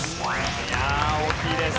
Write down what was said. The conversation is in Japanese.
いや大きいです。